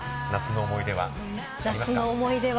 夏の思い出は？